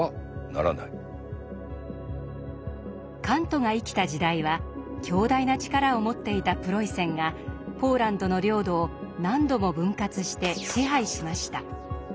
カントが生きた時代は強大な力を持っていたプロイセンがポーランドの領土を何度も分割して支配しました。